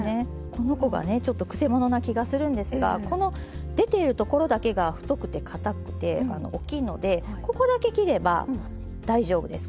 この子がねちょっとくせ者な気がするんですがこの出ているところだけが太くてかたくて大きいのでここだけ切れば大丈夫です。